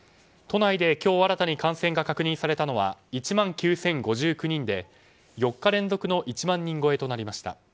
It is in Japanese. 都内で今日新たに感染が確認されたのは１万９０５９人で、４日連続の１万人超えとなりました。